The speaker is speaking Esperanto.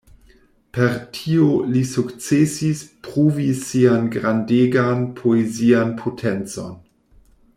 Per tio li sukcesis pruvi sian grandegan poezian potencon.